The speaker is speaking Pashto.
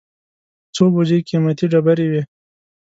څو بوجۍ قېمتي ډبرې وې.